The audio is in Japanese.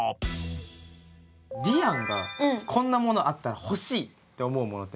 りあんが「こんなものあったら欲しい！」って思うものって何？